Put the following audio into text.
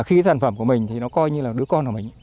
khi cái sản phẩm của mình thì nó coi như là đứa con của mình